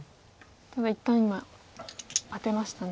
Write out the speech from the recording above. ただ一旦今アテましたね。